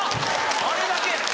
あれだけ。